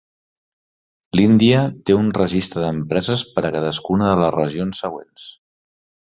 L'Índia té un registre d'empreses per a cadascuna de les regions següents.